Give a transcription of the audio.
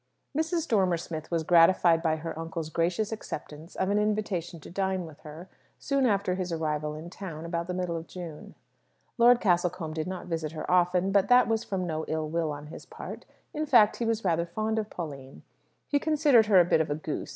Mrs. Dormer Smith was gratified by her uncle's gracious acceptance of an invitation to dine with her, soon after his arrival in town, about the middle of June. Lord Castlecombe did not visit her often; but that was from no ill will on his part. In fact, he was rather fond of Pauline. He considered her a bit of a goose.